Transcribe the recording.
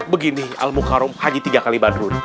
begini al mukarum haji tiga kali badrun